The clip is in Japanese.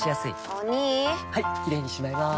お兄はいキレイにしまいます！